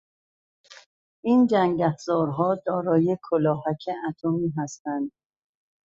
این جنگ افزارها دارای کلاهک اتمی هستند.